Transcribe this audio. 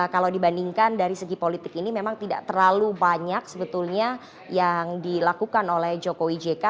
kalau dibandingkan dari segi politik ini memang tidak terlalu banyak sebetulnya yang dilakukan oleh jokowi jk